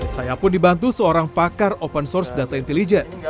saya pun dibantu seorang pakar open source data intelijen